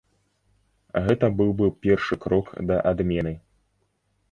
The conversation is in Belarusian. Гэта быў бы першы крок да адмены.